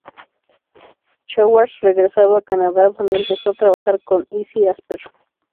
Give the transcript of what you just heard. Schwartz Regresado a Canadá, donde empezó trabajar con Izzy Asper.